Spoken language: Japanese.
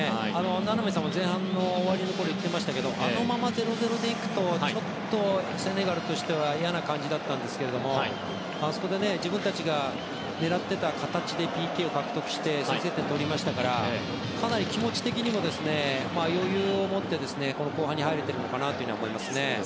名波さんも、前半終わりごろに言ってましたけどあのまま０−０で行くとセネガルとしては嫌な感じだったんですけどあそこで自分たちが狙っていた形でＰＫを獲得して先制点を取ったのでかなり気持ち的には余裕を持って後半に入れてるのかなと思いますね。